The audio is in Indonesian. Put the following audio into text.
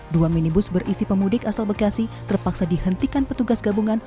dua minibus berisi pemudik asal bekasi terpaksa dihentikan petugas gabungan